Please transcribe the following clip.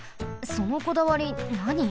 そのこだわりなに？